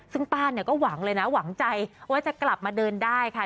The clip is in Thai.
ซึ่งป้าเนี่ยก็หวังเลยนะหวังใจว่าจะกลับมาเดินได้ค่ะ